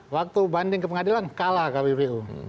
waktu banding ke pengadilan kalah kpu kpu